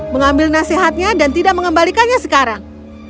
mengambil nasihatnya dan tidak mengembalikannya sekarang